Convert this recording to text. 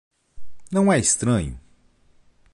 Não é estranho?